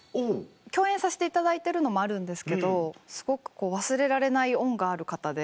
共演させていただいてるのもあるんですけどすごく忘れられない恩がある方で。